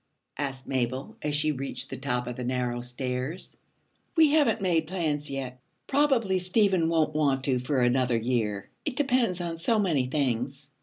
asked Mabel as she reached the top of the narrow stairs. 'We haven't made plans yet. Probably Stephen won't want to for another year. It depends on so many things.'